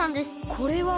これは。